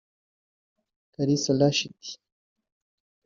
Kalisa Rachid